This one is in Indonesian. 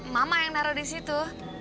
mama yang naruh di situ